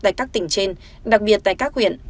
tại các tỉnh trên đặc biệt tại các huyện